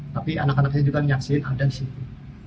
tapi anak anak saya juga menyaksikan ada di situ